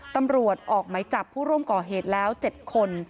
ตำรวจออกไหมจับผู้ร่วมก่อเหตุแล้ว๗คน